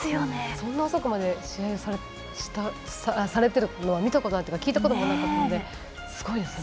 そんな遅くまで試合をされてるって見たことないというか聞いたことなかったのですごいですね。